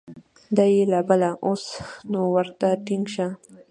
دا یې لا بله ، اوس نو ورته ټینګ شه !